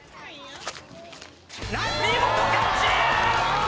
見事キャッチ！